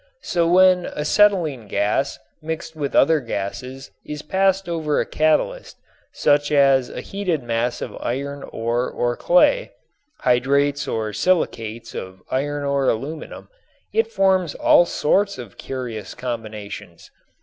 So when acetylene gas mixed with other gases is passed over a catalyst, such as a heated mass of iron ore or clay (hydrates or silicates of iron or aluminum), it forms all sorts of curious combinations.